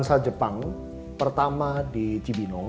benuansa jepang pertama di cibenong